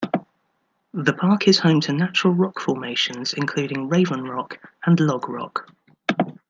The park is home to natural rock formations including Raven Rock and Log Rock.